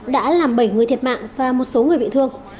đã làm bảy người thiệt mạng và một số người bị thương